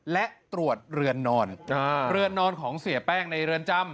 และตรวจเรือนนอนเรือนนอนของเสียแป้งในเรือนจำ